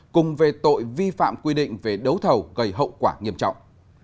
cùng về tội vi phạm quy định về đấu thầu gây hậu quả nghiêm trọng